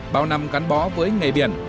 bao năm gắn bó với nghề biển